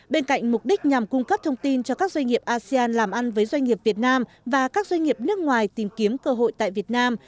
bên cạnh mục đích nhằm cung cấp thông tin cho các doanh nghiệp asean làm ăn với doanh nghiệp việt nam và các doanh nghiệp nước ngoài tìm kiếm cơ hội tại việt nam